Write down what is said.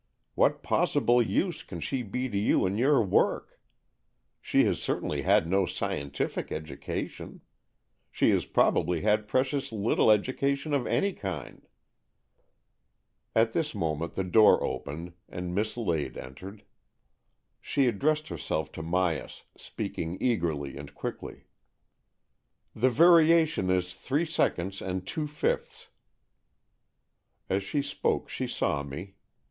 What possible use can she be to you in your work? She has cer tainly had no scientific education. She has probably had precious little education of any kind." At this moment the door opened, and Miss Lade entered. She addressed herself to Myas, speaking eagerly and quickly :" The variation is three seconds and two fifths." 70 AN^EXCHANGE OF SOULS As she spoke she saw me.